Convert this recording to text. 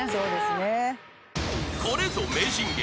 ［これぞ名人芸］